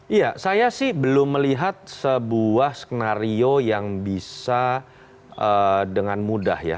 iya saya sih belum melihat sebuah skenario yang bisa dengan mudah ya